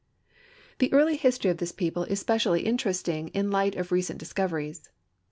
The early history of this people is specially interesting in the light of recent discoveries.